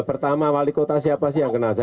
mereka menghormati yang menghormati